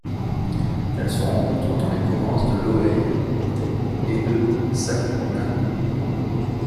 Elle se rencontre dans les provinces de Loei et de Sakhon Nakhon.